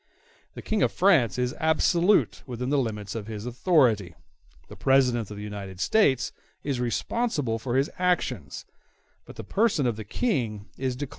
*q The King of France is absolute within the limits of his authority. The President of the United States is responsible for his actions; but the person of the King is declared inviolable by the French Charter.